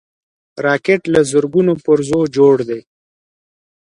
راکټ له زرګونو پرزو جوړ دی